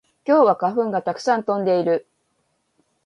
今日は花粉がたくさん飛んでいる